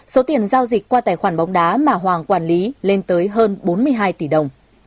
số tiền giao dịch qua tài khoản bóng đá mà hoàng quản lý lên tới hơn bốn mươi hai tỷ đồng